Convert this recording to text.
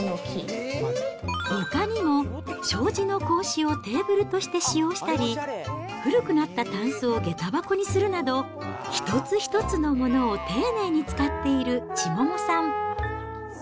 ほかにも、障子の格子をテーブルとして使用したり、古くなったたんすをげた箱にするなど、一つ一つのものを丁寧に使っている千桃さん。